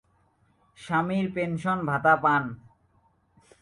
স্বামীর পেনশন ভাতা পান।